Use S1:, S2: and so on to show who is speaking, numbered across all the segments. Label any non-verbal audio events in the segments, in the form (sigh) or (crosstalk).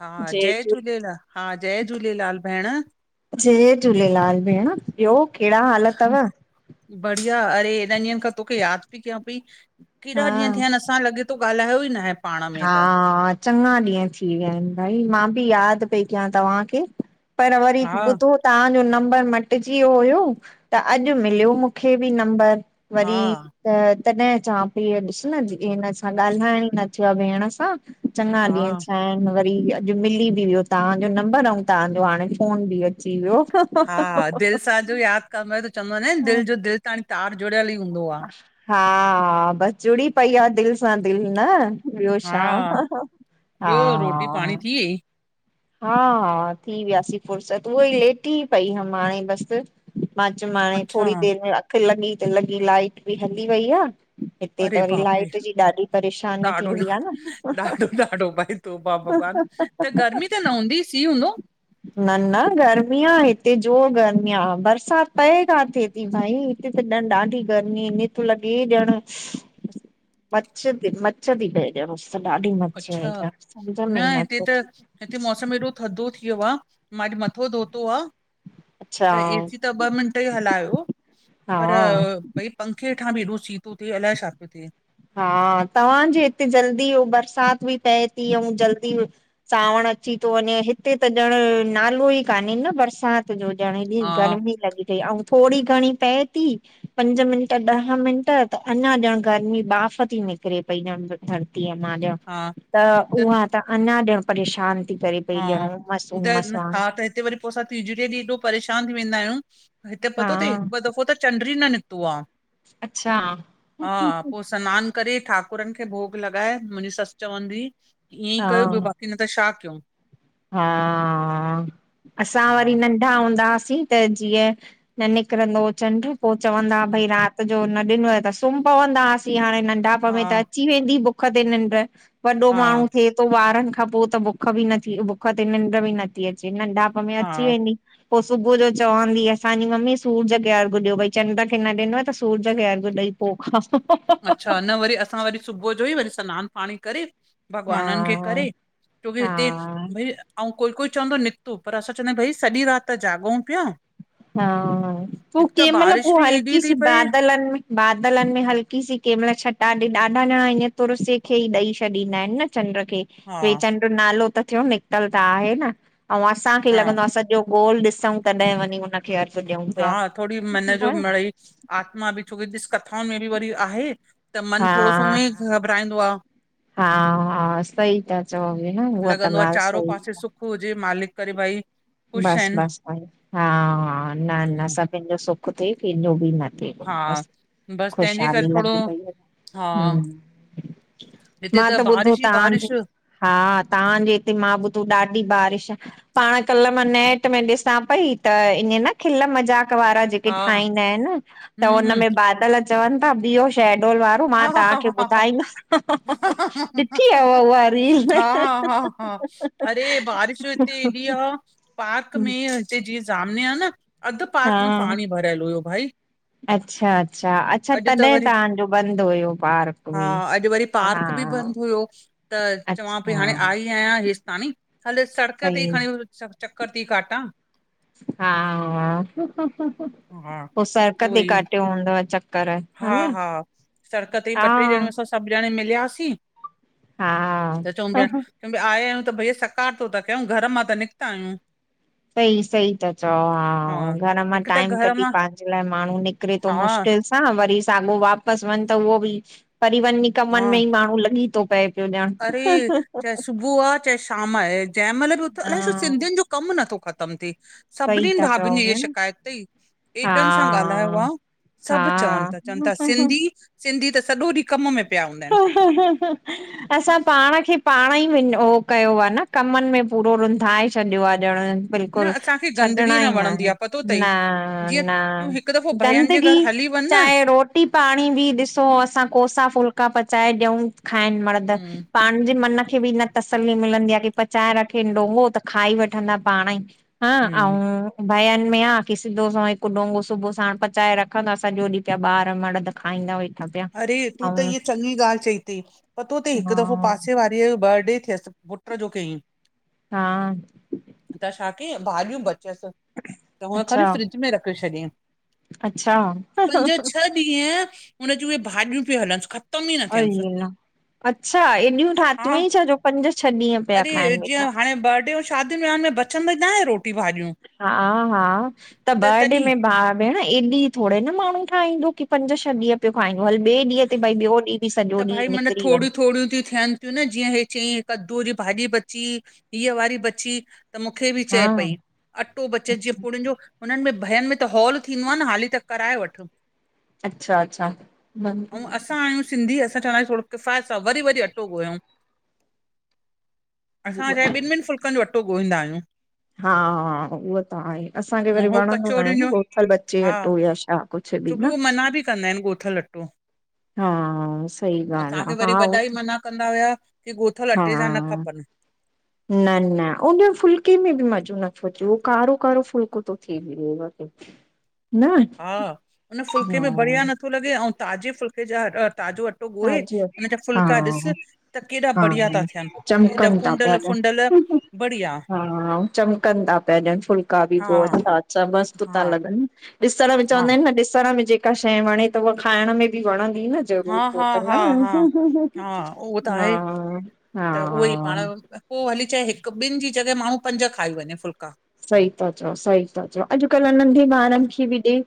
S1: हा जय झूलेलाल हा जय झूलेलाल भेण।
S2: जय झूलेलाल भेण ॿियो केड़ा हाल तव।
S1: बढ़िया अरे हेॾन ॾींहंन खां तोखे याद पी कयां पई केॾा
S2: हा
S1: ॾींहं थिया असां सां लॻे तो ॻाल्हायो ई न आहे। पाण में
S2: हा
S1: त
S2: चङा ॾींहं थी विया आहिन भई मां बि याद पई कयां तव्हांखे। पर वरी
S1: हा
S2: बुधो। तहांजो नंबर मटिजी वयो हुयो त अॼु मिलियो मूंखे बि नंबर।
S1: हा
S2: वरी त तॾीं चां पई ॾिस न हिन सां ॻाल्हाइण ई न थयो आ भेण सां। चङा ॾींहं
S1: हा
S2: थया आहिन वरी जो मिली बि वियो तहांजो नंबर अऊं तहांजो हाणे फोन बि अची वियो।
S1: हा दिल सां जो याद कदो आहे त चवंदा न आहीन
S2: हा
S1: दिल जो दिल ताणी तार जुड़ियल ई हूंदो आ।
S2: हा बस जूड़ी पई आ दिल सां दिल न। ॿियो छा हा
S1: ॿियो रोटी
S2: हा।
S1: पाणी थी वई
S2: हा-हा, थी वियासीं फुर्सत उहा ई लेटी पई हम हाणे बसि मां चयो हम्म हाणे
S1: अच्छा
S2: थोरी देर में अखि लॻी त लॻी लाइट बि हली वई आहे। हिते
S1: अरे
S2: त वरी
S1: बाप रे
S2: लाइट जी ॾाढी परेशानी
S1: ॾाढो
S2: थींदी आहे न।
S1: ॾाढो ॾाढो ॾाढो भई तौबा भॻवान, त गर्मी त न हूंदी सी हूंदो?
S2: न-न गर्मी आहे हिते जोर गर्मी आहे बरसाति पए किथे भाई हिते त ॾाढी गर्मी न थो लॻे ॼण मच्छ, मच्छ थी मच्छ पई उस ॾाढी मच्छ
S1: अच्छा
S2: हेॾा
S1: न हिते, त हिते मौसम हेॾो थधो थी वियो आहे मां अॼु मथो धोतो आहे त
S2: अच्छा
S1: एसी त ॿ मिंट ई हलायो
S2: हा
S1: पर भई पंखे हेठां बि एॾो सी थो थिए, अलाए छा पियो थिए।
S2: हा, तव्हांजे हिते जल्दी बरसात बि पए थी ऐं जल्दी सांवण अची थो वञे हिते त ॼण नालो ई कान्हे न बरसाति त जो जाणे बि
S1: हा
S2: गरमी लॻी थोरी घणी पए थी पंज मिंट ॾह मिंट त अञा ॼण गर्मी बाफ़ थी निकिरे पई धरतीअ मां।
S1: हा।
S2: त उहा त अञा ॼण परेशान थी करे। पई
S1: हा,
S2: ॼण उमस उमस
S1: द हा
S2: वांग
S1: त हिते वरी पोइ असां तीजड़ीअ ॾींहुं एॾो परेशान थी वेंदा आहियूं हिते
S2: हा
S1: पतो अथए हिकु दफ़ो त चंड ई न निकितो निकितो आहे।
S2: अच्छा।
S1: सनानु करे ठाकुरनि खे भोग लॻाए मुंहिंजी ससु चवंदी हुई ईअं ई
S2: हा
S1: कयो हिननि त छा कयो?
S2: हा, असां वरी
S1: हा
S2: नंढा नंढा हूंदा हुआसीं त जीअं न निकिरंदो चंड पोए चवंदा भई राति त जो न ॾिनो आहे त सुम्ही पवंदा हुसीं हाणे नंढा पण में त
S1: हा
S2: अची वेंदी बुख ते निंड। वॾो माण्हू
S1: हा
S2: थिए थो ॿारनि खां पोइ त बुख बि नथी बुख ते निंड बि नथी अचे नंढा मम्मी
S1: हा
S2: अची वेंदी। पोइ सुबुह जो चवंदी असांजी मम्मी सूरज खे अर्क ॾियो भई चंड खे न ॾिनोव त सूरज खे अर्क ॾेई पोइ खाओ।
S1: अच्छा न वरी असां वरी सुबुह जो ई वरी सनानु पाणी करे
S2: हा
S1: भॻवाननि खे करे छोकी हिते
S2: हा
S1: भई ऐं कोई कोई चवंदो निकतो पर असां चवंदा आहियूं भई सॼी राति त जाॻूं पिया
S2: हा, पोइ
S1: हिकु त
S2: केहिं महिल
S1: बारिश
S2: हू
S1: बि एॾी
S2: हल्की
S1: थी
S2: सी
S1: पए
S2: बादलनि में बादलनि में हल्की सी कंहिं महिल छटा ॾे ॾाढा ॼणा इअं तुरसे खे ई ॾेई छॾींदा आहिनि न चंड खे
S1: हा
S2: ॿे चंड जो नालो त थियो निकितल त आहे न ऐं असांखे
S1: हा
S2: लॻंदो आहे असां सॼो गोल ॾिसऊ तॾहिं वञी हुनखे अर्क
S1: हा थोरी मन जो मड़ई आत्मा बि छोकी ॾिस कथाउनि में बि वरी आहे त मन थोरो सो उहो ई घबराईंदो आहे।
S2: हा-हा, सही था चऊ भेण हू त ॻाल्हि सही आहे।
S1: पोइ जीअं मालिक करे भई। ख़ुशि
S2: बसि
S1: आहिनि
S2: बसि हा-हा न न
S1: हम्म,
S2: सभिनि जो सुख थिए कंहिंजो बि न
S1: हा
S2: बसि
S1: बसि तंहिंजे
S2: ख़ुशहाली
S1: करे थोरो
S2: लॻी पई
S1: हा
S2: आहे। हम्म
S1: हिते
S2: मां त ॿुधो
S1: बारिश ई
S2: तव्हांजे
S1: बारिश
S2: हा, तां जे हिते मां ॿुधो ॾाढी बारिश आ, पां कल मां नेट में ॾिसां पई त ईअं न खिल मज़ाक वारा जेके
S1: हा
S2: ठहींदा आहिनि, त
S1: हम्म
S2: उन
S1: हम्म
S2: में बादल चवनि था बीहोे छैडोल वा पोइ मां
S1: हा हा
S2: तांखे
S1: हा
S2: ॿुधाईमि, ॾिठी हव उहा रील
S1: हा हा हा अरे, बारिश हित्ते एॾी आ पार्क में हिते जीअं जामनें आ न, अधु
S2: हा
S1: पार्क में पाणी भरियलु हुयो भाई
S2: अच्छा अच्छा, अच्छा
S1: अॼु त
S2: तॾहिं
S1: वरी
S2: तां जो बंदि हुयो पार्क
S1: हा,
S2: बि
S1: अॼु वरी
S2: हा
S1: पार्क बि बंदि हुयो त, चवां पई
S2: अच्छा
S1: हाणे आई आहियां हेसि ताणी, हल सड़क ते
S2: सही
S1: ई खयोंस् चक् चक्कर ती काटां
S2: हा हा,
S1: हा
S2: पोइ सड़क
S1: उहो
S2: ते
S1: ई
S2: काटियो हूंदव चक्कर
S1: हा
S2: न
S1: हा, सड़क तेहिं
S2: हा
S1: ॿ ट्रे ॼणियूं, असां सभु ॼणियूं मिलियासीं
S2: हा
S1: चवां पई, आया आहियूं त भई सकारतो त कियूं, घर मां त निकिता आहियूं।
S2: सही सही ता चओ, हा हा, घर मां
S1: हिकु त
S2: टाइम
S1: घर मां
S2: कढी पांजे लाइ माण्हू निकिरे तो
S1: हा
S2: मुश्किल स् हा वरी, साॻो वापसि वञ त उहो बि, वरी वञी
S1: हा
S2: कमनि में ई माण्हू लॻी तो पए। पियो ॼण
S1: अरे! चाहे सुबुह आ चाहे शाम आहे, जंहिं महिल भी उथि, अलाए छो
S2: हा
S1: सिंधियुनि जो कम नथो ख़तमु थीए
S2: सही
S1: सभिनीनि
S2: था
S1: भाभियुनि
S2: चओ
S1: ईया
S2: भेण
S1: शिकायत कई। एॾनि सां ॻाल्हायो आ,
S2: हा
S1: सभु चवनि
S2: हा
S1: ता, चवनि ता सिंधी सिंधी त सॼो ॾींहुं कम में पिया हूंदा
S2: ह
S1: आहिनि।
S2: असां पाण खे पाणहि ओ कयो आ न, कमनि में पूरो रुंधाए छॾियो आहे ॼणु
S1: न
S2: बिल्कुलु
S1: असांखे गंदगी
S2: छॾणा ई न
S1: वणंदी आ पतो
S2: न
S1: अथई जीअं
S2: न
S1: तूं हिकु दफ़ो भयनि जे
S2: गंदगी,
S1: घर हली वञ न
S2: चाहे रोट रोटी पाणी बि ॾिसो, असां कोसा फुलका पचाए ॾियऊ, खाइनि मर्द, पा
S1: हम्म
S2: पंहिंजे मन खे बि न तसली, मिलंदी आ कि पचाए रखेन डोंगो, त खाई वठंदा पाणई। हा,
S1: हम्म
S2: अऊं भयनि में आ, कि सिधो सो हिकु डोंगो सुबुह साण पचाए रखंदा, सॼो ॾींहुं पिया ॿार मर्द खाईंदा वेही। अॻियां
S1: अरे तूं त
S2: अऊं।
S1: इहा चङी ॻाल्हि चई अथई, पतो तई हिकु दफ़ो
S2: हा
S1: पासे वारीअ जो बर्डे थियसि, पुट जो कयईं
S2: हां
S1: त छा कयईं, भाॼियूं बचसि, त हूअ
S2: अच्छा
S1: खणी फ्रिज में रखी छॾियईं।
S2: अच्छा,
S1: ॾींंहं, उन जूं उहे भाॼियूं पियूं हलंसि
S2: अई अल्ला, अच्छा, हेॾियूं
S1: हा
S2: ठातियूं हुयई छा, जो पंज छह ॾींहं पिया
S1: अरे
S2: खाइन
S1: जीअं
S2: वेठा।
S1: हाणे बर्डे हुयुस शादियुन, वयांहनि में बचंदि न आहे रोट
S2: हा हा, त, बर्डे में ॿार भेण एॾी थोरई न माण्हू ठाहंदो कि पंज छह ॾींहं पियो खांहिदो, हल ॿिए ॾींह ते, भई ॿियो ॾींहुं बि सॼो
S1: त भई
S2: ॾींहुं
S1: मन,
S2: निकिरी वञे
S1: थोरियूं थोरियूं तियूं थियनि ॿियूं न जीअं हे चईं, कद्दू जी भाॼी बची, हीअ वारी बची त मुखे बि
S2: हा
S1: चए पई, अटो बचे जीअं
S2: अच्छा
S1: पुड़ियनि जो हुननि में भयनि में त हॉल थींदो आ न, हाली त कराए वठु
S2: अच्छा अच्छा, हम्म।
S1: ऐं असां आहियूं सिंधी असां चवां थोडो किफ़ायत हां, वडी-वडी अटो गुर्यउँ। असां छाहे ॿिहिन् -ॿिहिन् फुल्कन् जो अटो गुरीन्दा आहियूं।
S2: हा -उहो त आहे, असांखे
S1: ऐं
S2: वरी
S1: हो
S2: वणंदो न आहे
S1: कचौड़ियुनि जो
S2: न गोथल बचे अटो या छा। कुछ बि न।
S1: सभी कंदा आहिन, गोथल। टो।
S2: हां।
S1: असांखे वरी वॾा ई मना कंदा हुया, की गोथल अटे जा न
S2: हा
S1: खपन।
S2: न न उन फुल्के में बि मज़ो नथो अचे, उहो कारो -कारो फुल्को थो थिए वए।
S1: (inaudible) हा हुन फुल्के में बढ़िया
S2: हा
S1: नथो लॻे, अऊ ताज़े फुल्के जा ताज़ो। अटो ॻोए,
S2: ताज़ो
S1: उन जा
S2: हा
S1: फुल्का ॾिस, त केॾा
S2: हा
S1: बढ़िया ता थियन् एॾा
S2: चमकनि था पिया
S1: फुंडल
S2: ॾियनि
S1: फुंडल। बढ़िया!
S2: हा आऊ चमकन्दा तॾयन् फुलका बि
S1: हा
S2: ज़ोर अछा मस्त ता
S1: हा
S2: लगन्। इस्तर बी
S1: हा
S2: चवंदा आहिन न, ॾिसण में जेका शइ वणे त उहा खाइण में बि वणंदी न
S1: हा
S2: ज़रूर पो।
S1: हा, हा, हा, उहो त आहे।
S2: हा
S1: त उहो ई पाण।
S2: हा
S1: पो हली चए, हिक ॿिन जी जॻह माण्हू पंज खाई वञे फुलका।
S2: सही ता चओ, सही ता चओ अॼुकल्ह नंढे ॿारनि खे बि ॾे।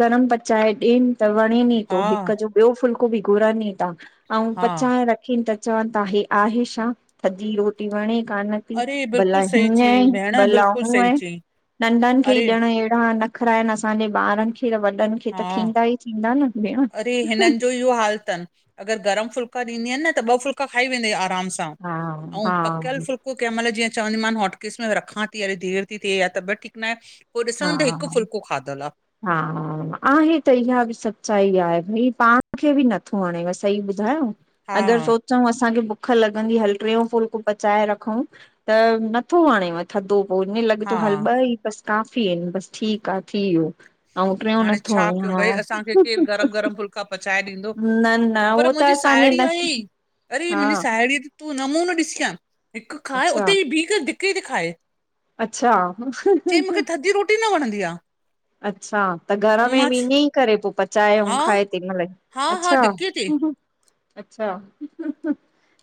S2: गरम पचाए डियन्। त वणे ई थो,
S1: हा
S2: हिक जो ॿियो फुल्को बि घुरनि था, आऊ
S1: हा
S2: पचाए रखीन् त। चवन् था, हे आहे छा, थधी रोटी वणे कान।
S1: अरे
S2: भला
S1: बिल्कुलु सही
S2: हीअं
S1: चई
S2: ई
S1: भेण
S2: भला।
S1: बिल्कुलु सही चई
S2: नंढन खे ई
S1: अरे
S2: ॾण एंहिड़ा नखरा आहन, असांजे ॿारन खे वॾन्। हे त
S1: हा
S2: थींदा ई, थींदा न भेण।
S1: अरे हिनन् जो इहो हाल थन, अगर गरम फुल्का ॾींदियन, न त ॿ फुल्का खाई वेंदा आराम सां।
S2: हा
S1: आऊ
S2: हा
S1: फुल्क। पो केमल जीअं चवंदी मान हॉटकेस में रखां थी, अरे देर थी, थे तबियत ठीक न आहे। पोइ ॾिसा त
S2: हा
S1: हिकु फुल्को खाधल आ।
S2: हा, आहे त इहा बि सच्चाई आहे, भई पाण खे बि नथो हणेव सही ॿुधायो। अगर
S1: हा
S2: सोच। चंऊ, असांखे बुख लॻंदी, हल ट्रेउ फुल्को पचाए रखउं त नथो हणेव। थढो पो ईअं लॻे थो,
S1: हा
S2: हल ॿ ई बस काफ़ी आहिन बस ठीक आ थी ब्यो।
S1: हाणे छा कयूं, भई असांखे केर गरम, गरम फुलको। फुल्का पचाए ॾींदो,
S2: न न
S1: पर
S2: उहो त
S1: मुंहिंजी
S2: असांजे
S1: साहेड़ी
S2: नस
S1: आही अड़े
S2: हा
S1: मुंहिंजी साहेड़ी। तूं नमूनो ॾिसी आ हिक खाए उते
S2: अच्छा
S1: ही भी करे दिके ती खाए।
S2: अच्छा।
S1: चई मूंखे थधी रोटी न वणंदी आ।
S2: अच्छा त घर में भी इंदी। करे पो पचाए आऊ
S1: हा
S2: खाए तैं महिल ही
S1: हा हा
S2: अच्छा।
S1: धिके ते
S2: अच्छा,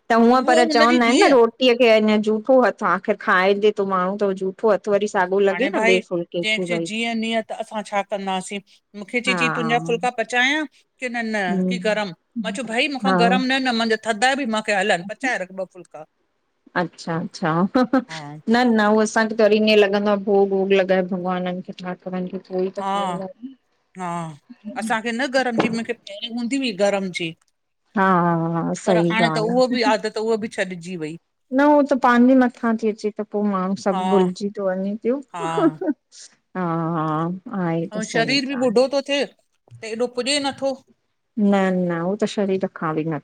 S2: त हूअं
S1: उहा
S2: पर
S1: हुनजी
S2: चवंदा आहिन न,
S1: धीअ
S2: रोड। टीअ खे अञा जूठो हथ् आख़िर खाइडे थो, माण्हू त झु। अथो हथु वरी साॻो लॻे न, ॿिए फुल्के खे भई।
S1: नियात असां छा कंदासीं, मूंखे जे
S2: हा
S1: चई तुंहिंजा फुलका पचायां? की, न, न की
S2: हूं
S1: गरम मां चयो भई मूंखा
S2: हा
S1: गरम न, न मुंहिंजा थड़दा बि मा। हलन, पचाए रख ॿ फुल्का।
S2: अच्छा अच्छा।
S1: हा
S2: न- न उहो असांखे त वरी ईअं लॻंदो आहे, भोग भोग लॻाए भॻवान खे त पंहिंज खे पोइई त
S1: हा
S2: खाईंदासीं,
S1: हा
S2: ह न।
S1: गरम जी मूंखे पहिरी हूंदी हुई, गरम जी।
S2: हा हा हा
S1: पर
S2: सही
S1: हाणे
S2: ॻाल्ह आ।
S1: त उह भी छॾजी वई।
S2: न ऊहो त पंहिंजे मथां थी अचे त पो माण्हू
S1: हा
S2: सब भुलजी थो वंञे पयो।
S1: हा
S2: हा हा। आहे त
S1: अंउ
S2: सही
S1: शरीर बि
S2: ॻाल्हि।
S1: बुढो थो थिए त एॾो पुॼे नथो।
S2: न न, हू त शरीर खां बी न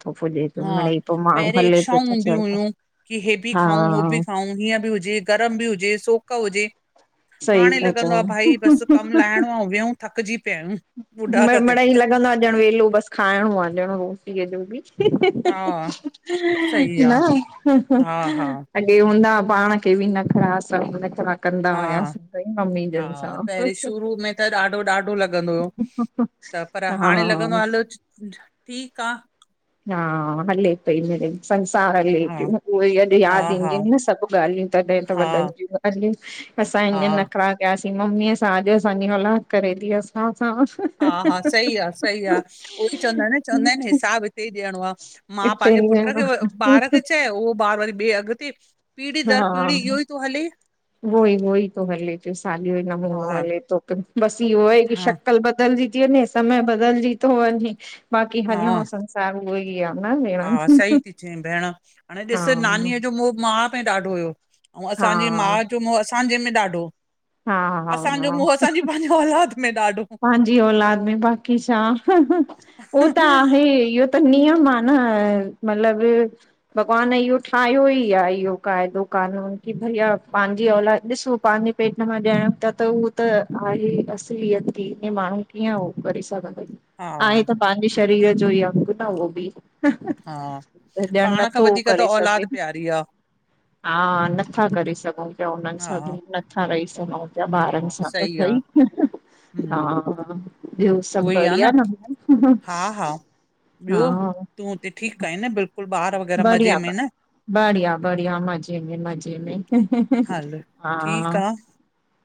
S1: हा, पहिरियें इच्छाउं
S2: त
S1: हूंदीयूं
S2: चए त
S1: हुयूं कि हे बि
S2: हा
S1: खाऊं, हो बि खाऊं, हीअं बि हुजे गरम भी हुजे, सोक हुजे,
S2: सही
S1: हाणे
S2: था
S1: लगंदो
S2: चओ।
S1: आ भाई, बस कम लाहेणो आ अऊं व्यूं। थकजी पया आयूं।
S2: म मिड़ई लॻंदो आ ॼण वेलो बस खाइणो आ ॼण रोटीअ जो बि।
S1: हा सही
S2: न!
S1: आहे हा हा
S2: अॻे हूंदा हुआ पाण खे ॿि नख़रा सब नख़रा कंदा
S1: हा
S2: हुयासीं मम्मी ॼनि सां।
S1: हा पहिरीं शुरू में त ॾाढो ॾाढो लॻंदो हुयो, त पर
S2: हा
S1: हाणे लॻंदो आ हल ठीकु आ।
S2: हा, हले! सही में, संसार हले
S1: हा
S2: पियो, उहे ई अॼु
S1: हा
S2: यादि
S1: हा
S2: ईंदियूं आहिनि न सभु ॻाल्हियूं तॾहिं त
S1: हा
S2: वॾनि ॼियुं। हल असां इअ
S1: हा
S2: नख़रा कयासीं मम्मीअ सां, अॼु असांॼी औलाद करे थी असां सां।
S1: हा, हा, सही आ, सही आ, उहोई चवंदा आहिनि चवंदा आहिन न हिसाब इते ई ॾियणो आ, मां
S2: हिते
S1: पंहिंजे पुट
S2: ईअं
S1: खे, ॿार खे चए उहो ॿारु वरी ॿिए अॻिते पीढ़ी दर पीढ़ी इयो ई थो हले।
S2: उओई उओई थो हले पियो, साॻियो ई नमूनो
S1: हा
S2: हले थो, बस इहो आहे क
S1: हा
S2: शक्कल ॿ बदलजीं थी वञे, समय बदलजीं थो वंञे, बाक़ी हलणो
S1: हा
S2: संसार उअंई आ न
S1: हा,
S2: भेण
S1: सही थी चई भेण, हाणे
S2: हा
S1: ॾिस नानीअ ॼो मोह माँ में ॾाढो हुयो, अंऊ
S2: हा
S1: असांॼी माउ जो मोह असांॼे में ॾाढो।
S2: हा हा
S1: असांजो मोंह असांजी पंहिंजे औलाद में ॾाढो।
S2: पंहिंॼी औलाद में, बाक़ी छा, उह त आहे, ईयो त नियम आ न मतलब भॻवान इहो ठाहियो ई आ इहो क़ाइदो कानून कि भई पंहिंॼी औलाद, ॾिसो पंहिंॼी पेट मां ॼयंण था त उहो त आहे इ असलियत धीअ खे माण्हू कीअं उह करे सघंदो, आहे
S1: हा
S2: त पंहिंॼे शरीर जो ई अंॻु न उहो ॿि।
S1: हा
S2: त ॼण
S1: पाण खां
S2: नथो
S1: वधीक त
S2: करे सघे।
S1: औलाद प्यारी आ
S2: हां, नथा करे सघयु। त उन्हनि सां
S1: हा
S2: दूर ॿि नथा रही सघूं पया
S1: हा
S2: ॿारनि सां त
S1: सही आ
S2: भई।
S1: हम्म
S2: हां, हा ॿियो सभु
S1: उहो ई आ
S2: बढ़िया न?
S1: तु हुते ठीकु आईं न बिल्कुलु, ॿार वग़ैरह मज़े
S2: बढ़िया।
S1: में न?
S2: बढ़िया, बढिया, मज़े में, मज़े में,
S1: हल ठीकु
S2: हां।
S1: आ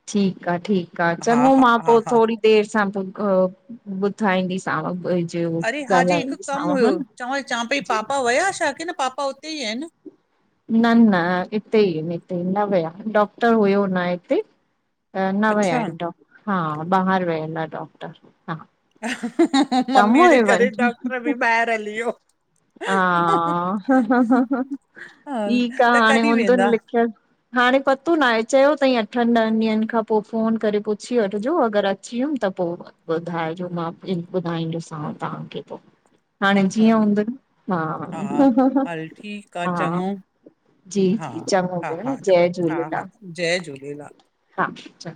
S2: ठीकु आ,। ठीकु आ।
S1: हा
S2: चङो
S1: हा
S2: मां
S1: हा
S2: पो
S1: हा
S2: थोड़ी देरि सां ॿुध ॿुधाईंदिसा सांव, ॿई अचो। (unintelligible)
S1: अरे हां ॼे, हिकु कमु हुयो, चवां चां पई
S2: जी
S1: पापा वया छा कि न पापा हुते ई आहिनि?
S2: न न हिते ई हिते, न वया डॉक्टर हुयो न हिते अ न विया
S1: अच्छा
S2: आहिनि डॉक, हा बाहिरि वियल आ डॉक्टर, हा। कम
S1: मम्मीअ जे करे
S2: हुयवनि
S1: डॉक्टर भी ॿाहिर हली वियो।
S2: हां
S1: हा
S2: ठीक आह
S1: त
S2: हाणे
S1: कॾहिं
S2: हुंदन
S1: वेंदा?
S2: लिखयल। हाणे पतो न आहे चयो तईं अठन ॾंह ॾींहंन खां पोइ फोन करे पुछी वठॼो अगर अची वियुम त पोइ ॿुधाइॼो मां भी ॿुधाईंदी सांव तहांखे पोइ हाणे जीअं
S1: हल
S2: हूंदुन।
S1: हा
S2: हां
S1: हल ठीकु आ
S2: हां
S1: चङो
S2: जी
S1: हा
S2: जी, चॻो
S1: हा
S2: भेण,
S1: हा चङो
S2: जय
S1: हा हा
S2: झूलेलाल
S1: जय झूलेलाल।
S2: हां चॻो।